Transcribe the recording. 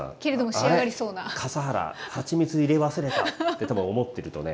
あれ笠原はちみつ入れ忘れた？って多分思ってるとね